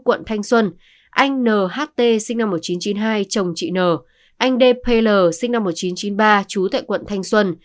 anh n h t sinh năm một nghìn chín trăm chín mươi hai chồng chị n a n d p l sinh năm một nghìn chín trăm chín mươi ba chú tại quận thanh xuân